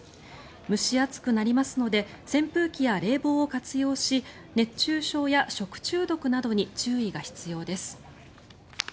蒸し暑くなりますので扇風機や冷房を活用し熱中症や食中毒などに注意が必要です。